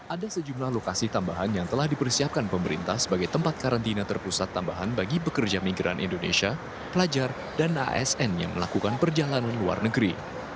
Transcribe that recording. ada sejumlah lokasi tambahan yang telah dipersiapkan pemerintah sebagai tempat karantina terpusat tambahan bagi pekerja migran indonesia pelajar dan asn yang melakukan perjalanan luar negeri